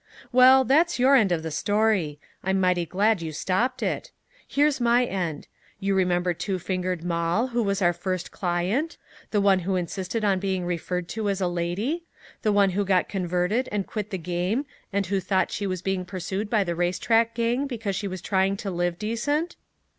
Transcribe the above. "Well, that's your end of the story! I'm mighty glad you stopped it. Here's my end. You remember two fingered Moll, who was our first client? The one who insisted on being referred to as a lady? The one who got converted and quit the game and who thought she was being pursued by the racetrack gang because she was trying to live decent?"